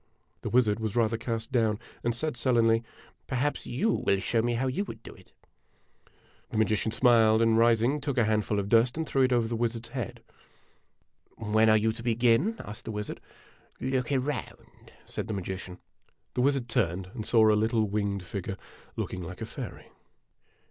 The wizard was rather cast down, and said sullenly: " Perhaps you will show me how you would clo it ?" The magician smiled, and rising, took a handful of dust and <> o threw it over the wizard's head. "When are you to beein ?" asked the wizard. J o " Look around," said the magician. The wizard turned, and saw a little winged figure, looking like a fairy. A DUEL IN A DESERT 43 THE WIZARD RAISES ARAB.